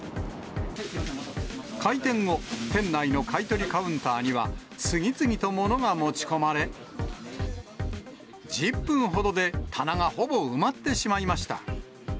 開店後、店内の買い取りカウンターには、次々と物が持ち込まれ、１０分ほどで棚がほぼ埋まってしまいました。